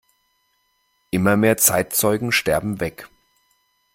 Immer mehr Zeitzeugen sterben weg.